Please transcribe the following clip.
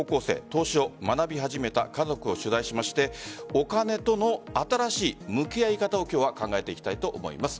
投資を学び始めた家族を取材しお金との新しい向き合い方を今日は考えていきたいと思います。